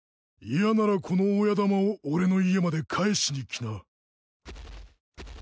嫌ならこの親玉を俺の家まで返しに来な。